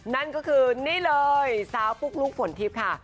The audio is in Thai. นั่นก็คือนี่เลยสาวปุ๊กลุ๊กฝนทิพย์ค่ะ